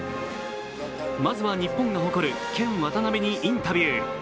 まずは日本が誇るケン・ワタナベにインタビュー。